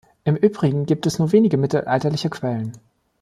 Im Übrigen gibt es nur wenige mittelalterliche Quellen.